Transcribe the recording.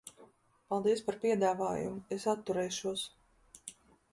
Paldies par piedāvājumu, es atturēšos.